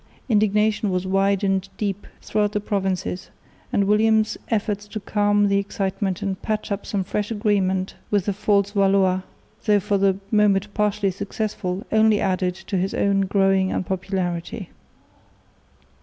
Indignation was wide and deep throughout the provinces; and William's efforts to calm the excitement and patch up some fresh agreement with the false Valois, though for the moment partially successful, only added to his own growing unpopularity.